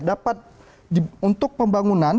dapat untuk pembangunan